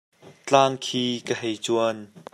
Tlang khi ka hei cuan.